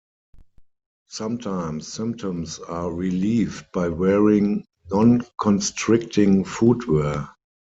Sometimes symptoms are relieved by wearing non-constricting footwear.